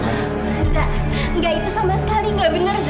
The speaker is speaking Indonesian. tidak tidak itu sama sekali tidak benar zah